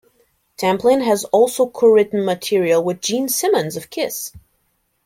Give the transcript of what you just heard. Tamplin has also co-written material with Gene Simmons of Kiss.